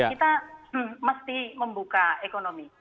kita mesti membuka ekonomi